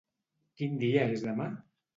Quin dia és demà?